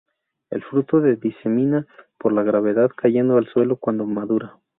El fruto se disemina por la gravedad, cayendo al suelo cuando madura.